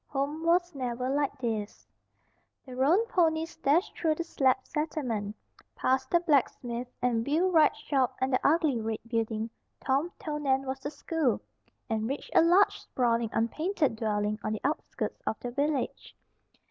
"HOME WAS NEVER LIKE THIS" The roan ponies dashed through the slab settlement, past the blacksmith and wheelwright shop and the ugly red building Tom told Nan was the school, and reached a large, sprawling, unpainted dwelling on the outskirts of the village.